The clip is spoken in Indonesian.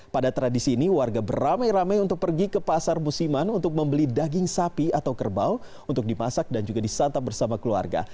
pada tradisi ini warga beramai ramai untuk pergi ke pasar musiman untuk membeli daging sapi atau kerbau untuk dimasak dan juga disantap bersama keluarga